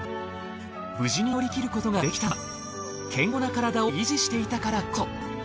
無事に乗り切ることができたのは健康なカラダを維持していたからこそ。